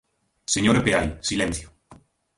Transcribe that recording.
¡Señora Peai, silencio!